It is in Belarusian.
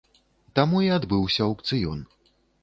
Таму і адбыўся аўкцыён.